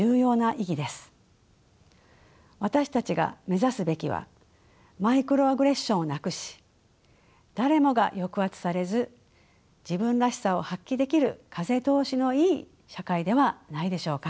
私たちが目指すべきはマイクロアグレッションをなくし誰もが抑圧されず自分らしさを発揮できる風通しのいい社会ではないでしょうか。